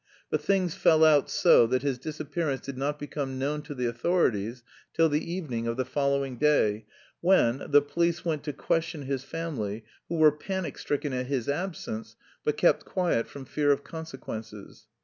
But things fell out so that his disappearance did not become known to the authorities till the evening of the following day, when, the police went to question his family, who were panic stricken at his absence but kept quiet from fear of consequences.